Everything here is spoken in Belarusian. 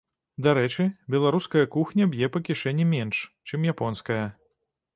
Дарэчы, беларуская кухня б'е па кішэні менш, чым японская.